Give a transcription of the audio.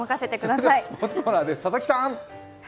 それではスポーツコーナーです、佐々木さん。